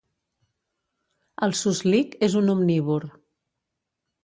El suslic és un omnívor.